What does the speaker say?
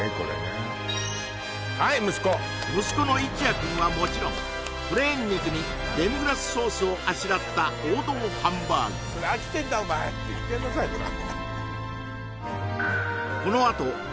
息子の一耶くんはもちろんプレーン肉にデミグラスソースをあしらった王道ハンバーグしてもらいます